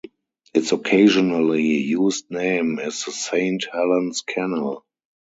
Its occasionally used name is the Saint Helens Canal.